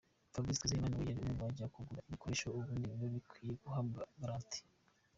Fabrice Twizeyimana we ni umwe mubajya bagura ibikoresho ubundi biba bikwiye guhabwa garanti.